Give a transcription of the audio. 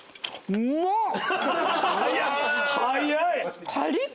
早い。